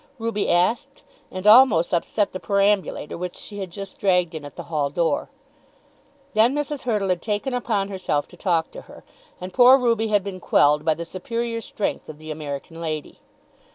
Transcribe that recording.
Ruby asked, and almost upset the perambulator which she had just dragged in at the hall door. Then Mrs. Hurtle had taken upon herself to talk to her, and poor Ruby had been quelled by the superior strength of the American lady.